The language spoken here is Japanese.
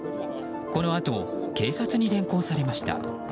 このあと、警察に連行されました。